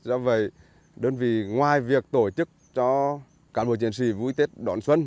do vậy đơn vị ngoài việc tổ chức cho cán bộ chiến sĩ vui tết đón xuân